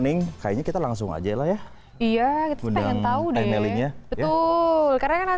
dan laikan juga commendernya saya juga ya